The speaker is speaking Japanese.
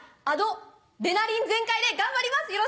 アドレナリン全開で頑張ります！